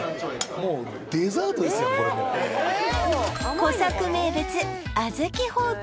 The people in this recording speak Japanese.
小作名物